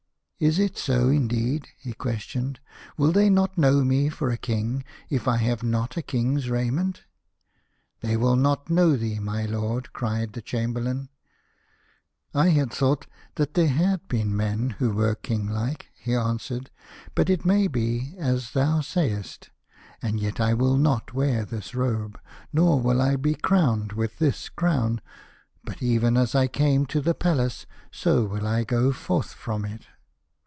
" Is it so, indeed ?" he questioned. "Will they not know me for a king if I have not a king's raiment ?"" T hey will not know thee, my lord," cried the Chamberlain. " I had thought that there had been men who were kinglike," he answered, " but it may be as thou sayest. And yet I will not wear this robe, nor will I be crowned with this crown, but even as I came to the palace so will I go forth from it."